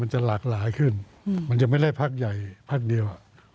มันจะหลากหลายขึ้นมันจะไม่ได้พรรคใหญ่พรรคเดียว